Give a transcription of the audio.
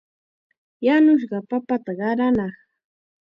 Yanushqa papata qaranaaq.